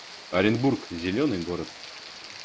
Оренбург — зелёный город